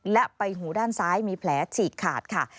และใบหูด้านซ้ายมีแผลฉีกขาดค่ะ